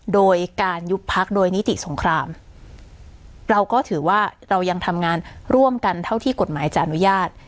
โดยการยุบพักโดยนิติสงครามเราก็ถือว่าเรายังทำงานร่วมกันเท่าที่กฎหมายจะอนุญาต